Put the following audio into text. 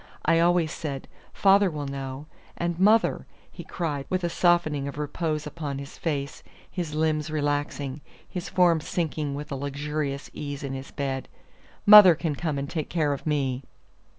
I always said, Father will know. And mother," he cried, with a softening of repose upon his face, his limbs relaxing, his form sinking with a luxurious ease in his bed, "mother can come and take care of me."